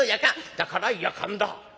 だから『やかん』だ」。